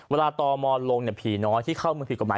เวลาต่อมอลงเนี่ยผีน้อยที่เข้ามือผิดกลับมา